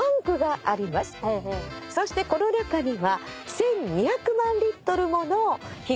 そしてこの中には。